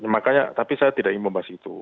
makanya tapi saya tidak ingin membahas itu